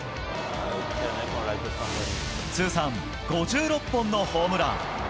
通算５６本のホームラン。